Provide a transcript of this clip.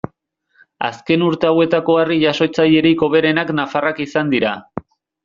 Azken urte hauetako harri-jasotzailerik hoberenak nafarrak izan dira.